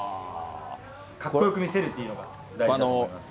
かっこよく見せるというのが大事だと思います。